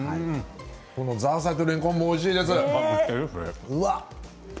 ザーサイとれんこんもおいしいです。